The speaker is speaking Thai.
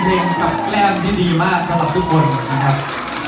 ผมรักเธอได้อย่างที่คุณได้อย่างใจ